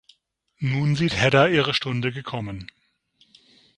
Nun sieht Hedda ihre Stunde gekommen.